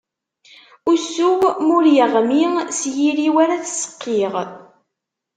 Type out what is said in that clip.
Ussu-w ma ur yeɣmi, s yiri-iw ara ad t-seqqiɣ.